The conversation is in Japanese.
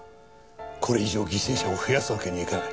これ以上犠牲者を増やすわけにはいかない。